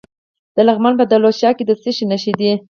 د لغمان په دولت شاه کې د څه شي نښې دي؟